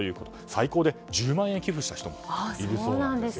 最高で１０万円寄付した人もいるようです。